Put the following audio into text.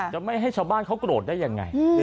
จะไม่ให้ชาวบ้านเขาโกรธได้ยังไง